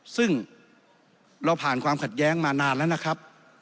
ซึ่งเราผ่านความขัดแย้งมานานแล้วนะครับ